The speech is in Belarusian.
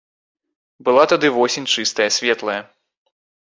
Была тады восень чыстая, светлая.